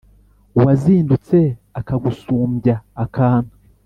uwazindutse akagusumbya akantu!